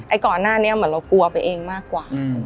ก่อนหน้านี้เหมือนเรากลัวไปเองมากกว่า